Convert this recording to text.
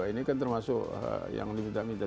ini kan termasuk yang dihidangkan